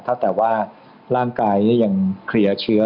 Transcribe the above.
ถ้าแต่ว่าร่างกายนี่ยังเคลียร์เชื้อ